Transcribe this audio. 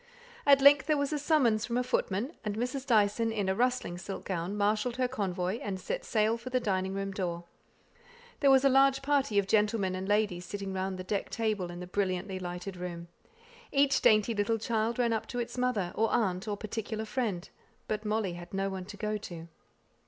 At length there was a summons from a footman, and Mrs. Dyson, in a rustling silk gown, marshalled her convoy, and set sail for the dining room door. There was a large party of gentlemen and ladies sitting round the decked table, in the brilliantly lighted room. Each dainty little child ran up to its mother, or aunt, or particular friend; but Molly had no one to go to.